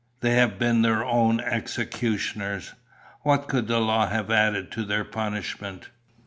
"They have been their own executioners. What could the law have added to their punishment?"